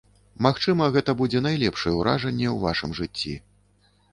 Магчыма, гэта будзе найлепшае ўражанне ў вашым жыцці.